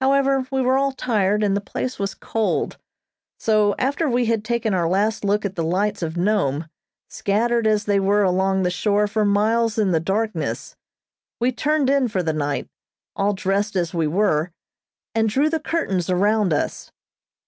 However, we were all tired and the place was cold, so after we had taken our last look at the lights of Nome, scattered as they were along the shore for miles in the darkness, we turned in for the night, all dressed as we were, and drew the curtains around us.